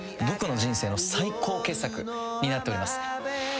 僕の人生の最高傑作になっております。